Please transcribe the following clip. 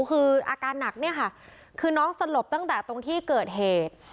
คืออาการหนักเนี่ยค่ะคือน้องสลบตั้งแต่ตรงที่เกิดเหตุ